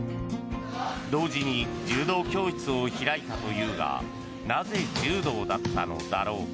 同時に柔道教室を開いたというがなぜ、柔道だったのだろうか。